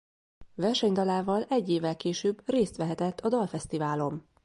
Versenydalával egy évvel később részt vehetett a dalfesztiválon.